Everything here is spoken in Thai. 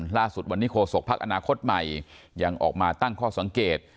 ล่าสุดวันนี้โฆษกภักดิ์อนาคตใหม่ยังออกมาตั้งข้อสังเกต